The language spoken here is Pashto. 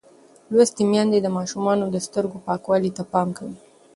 لوستې میندې د ماشومانو د سترګو پاکوالي ته پام کوي.